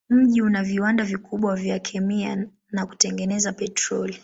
Mji una viwanda vikubwa vya kemia na kutengeneza petroli.